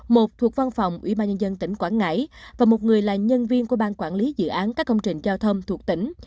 một thuộc văn phòng ubnd tỉnh quảng ngãi và một người là nhân viên của ban quản lý dự án các công trình giao thông thuộc tỉnh